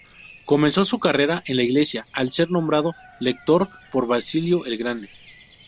Comenzó su carrera en la Iglesia, al ser nombrado lector por Basilio el Grande.